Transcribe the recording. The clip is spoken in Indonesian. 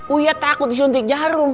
uya takut disuntik jarum